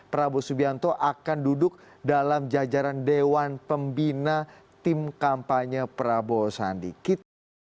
prabowo subianto akan duduk dalam jajaran dewan pembina tim kampanye prabowo sandi